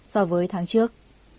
so với tháng trước